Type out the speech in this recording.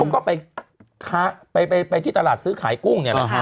เขาก็ไปที่ตลาดซื้อขายกุ้งเนี่ยนะฮะ